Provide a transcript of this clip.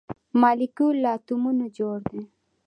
مالیکول له اتومونو جوړ دی